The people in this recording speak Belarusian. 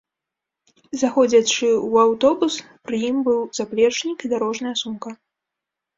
Заходзячы ў аўтобус пры ім быў заплечнік і дарожная сумка.